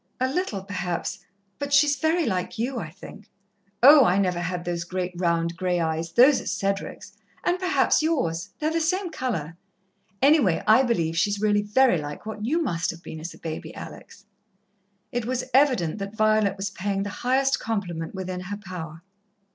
"A little, perhaps. But she's very like you, I think." "Oh, I never had those great, round, grey eyes! Those are Cedric's. And perhaps yours they're the same colour. Anyway, I believe she's really very like what you must have been as a baby, Alex!" It was evident that Violet was paying the highest compliment within her power.